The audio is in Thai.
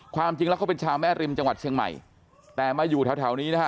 ความจริงแล้วเขาเป็นชาวแม่ริมจังหวัดเชียงใหม่แต่มาอยู่แถวแถวนี้นะฮะ